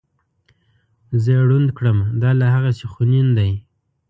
زه یې ړوند کړم دا لا هغسې خونین دی.